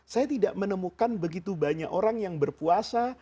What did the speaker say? saya tidak menemukan begitu banyak orang yang berpuasa